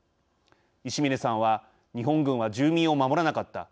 石嶺さんは日本軍は住民を守らなかった。